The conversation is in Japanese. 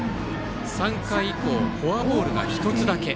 ３回以降フォアボールが１つだけ。